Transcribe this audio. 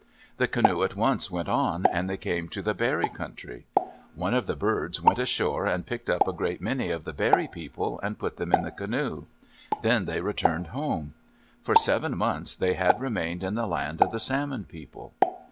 The canoe at once went on, and they came to the Berry Country. One of the birds went ashore and picked up a great many of the Berry People and put them in the canoe. Then they returned home. For seven moons they had remained in the Land of the Salmon People.